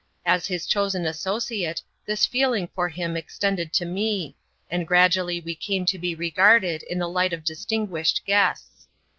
/is his chosen associate, this feeling for him extended to me ; and gradually we came to be regarded in the light of dis tinguished guests.